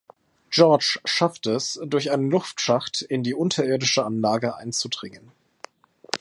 George schafft es, durch einen Luftschacht in die unterirdische Anlage einzudringen.